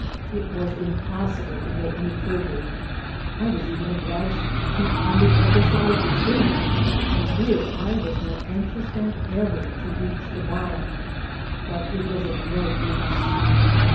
It was impossible to go any farther. I was even obliged to keep on the upper side of the tree, and here I was more anxious than ever to reach the bot tom ; but it was of no use.